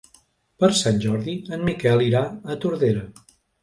Per Sant Jordi en Miquel irà a Tordera.